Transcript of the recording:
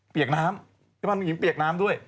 เปียกน้ำเสื้อผ้าน้องหญิงเปียกน้ำด้วย